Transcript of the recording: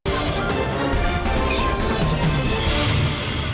kita berangkat dari temuan risetnya pak buba tadi